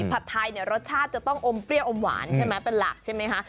ผัดไทยเนี่ยรสชาติจะต้องอมเปรี้ยวอมหวานใช่ไหมเป็นหลักใช่ไหมคะ